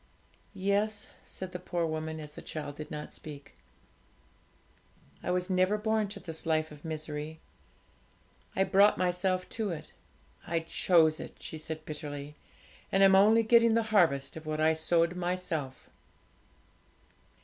'Yes,' said the poor woman, as the child did not speak; 'I was never born to this life of misery, I brought myself to it. I chose it,' she said bitterly; 'and I'm only getting the harvest of what I sowed myself.'